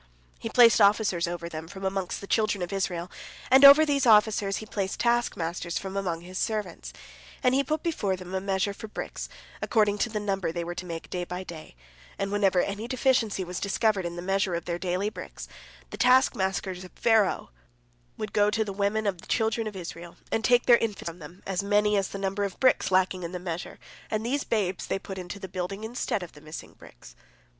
He placed officers over them from amongst the children of Israel, and over these officers he placed taskmasters from amongst his servants. And he put before them a measure for bricks, according to the number they were to make day by day, and whenever any deficiency was discovered in the measure of their daily bricks, the taskmasters of Pharaoh would go to the women of the children of Israel, and take their infants from them, as many as the number of bricks lacking in the measure, and these babes they put into the building instead of the missing bricks.